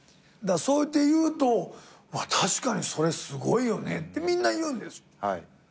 だからそうやって言うと「まあ確かにそれすごいよね」ってみんな言うんです。